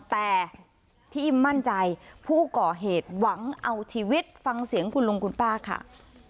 แต่ที่อิ่มมั่นใจผู้ก่อเหตุหวังเอาชีวิตฟังเสียงคุณลุงคุณป้าค่ะ